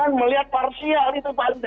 jangan melihat parsial itu pak andre